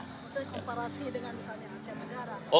maksudnya komparasi dengan misalnya asean negara